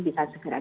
bisa segera dibuat